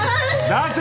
出せ！